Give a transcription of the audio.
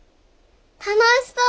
楽しそう！